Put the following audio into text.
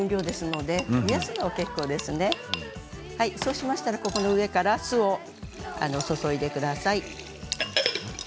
そうしたらこの上から酢を注いでください。